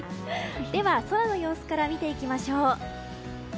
では、空の様子から見ていきましょう。